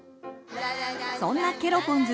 そんなケロポンズ